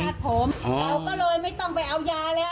เราก็เลยไม่ต้องไปเอายาแล้ว